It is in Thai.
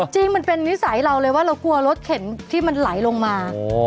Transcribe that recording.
จริงมันเป็นนิสัยเราเลยว่าเรากลัวรถเข็นที่มันไหลลงมา